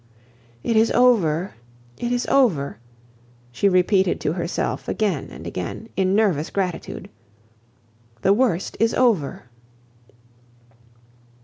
"It is over! it is over!" she repeated to herself again and again, in nervous gratitude. "The worst is over!"